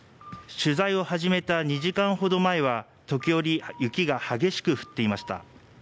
取材を始めた２時間ほど前は、時折雪が激しく降っていました。